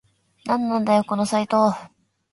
なんなんだよこのサイト